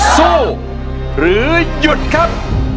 สู้หรือหยุดครับ